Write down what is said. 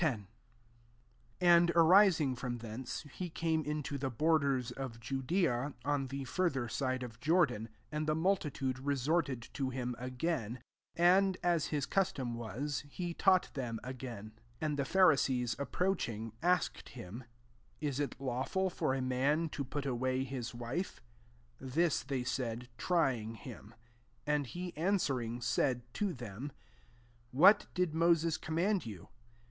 1 And, arising from thence, he came into the bor ders of Judea, on the further side of Jordan ;% and the mul titude resorted to him again: and, as his custom was, he taught them again. And the Pharisees approaching, asked him, ^ Is it lawful for a man to put away his wife ?^' This they aatd, trying him. 3 And he an swering, said to them, *• What did Moses command you ?